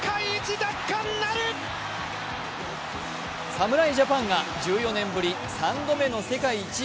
侍ジャパンが１４年ぶり３度目の世界一。